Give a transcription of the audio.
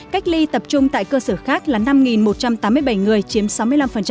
cách ly tập trung tại cơ sở khác là năm một trăm tám mươi bảy người chiếm sáu mươi năm